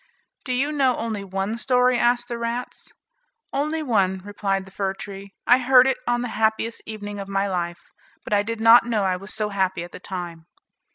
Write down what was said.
"Do you know only one story?" asked the rats. "Only one," replied the fir tree; "I heard it on the happiest evening of my life; but I did not know I was so happy at the time."